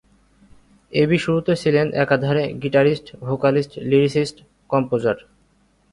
AB শুরুতে ছিলেন একাধারে গিটারিস্ট-ভোকালিস্ট-লিরিসিস্ট-কম্পোজার।